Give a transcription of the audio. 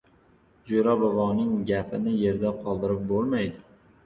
Jo‘ra boboning gapini yerda qoldirib bo‘lmaydi.